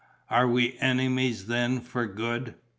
"Are we enemies then, for good?"